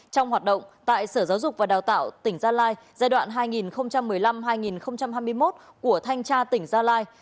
trong hoạt động tại sở giáo dục và đào tạo tỉnh gia lai giai đoạn hai nghìn một mươi năm hai nghìn hai mươi một của thanh tra tỉnh gia lai